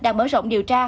đang mở rộng điều tra